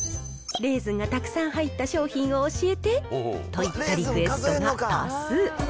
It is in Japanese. レーズンがたくさん入った商品を教えて！といったリクエストが多数。